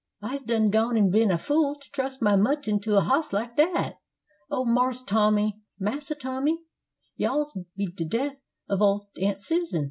I's done gone an' bin a fool to trust my mutton to a hoss like dat! Oh, Marse Tommy, Massa Tommy, yous'll be de deff of ole Aunt Susan!